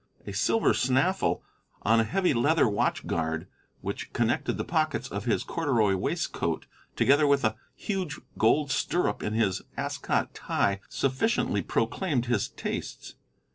A silver snaffle on a heavy leather watch guard which connected the pockets of his corduroy waistcoat, together with a huge gold stirrup in his Ascot tie, sufficiently proclaimed his tastes.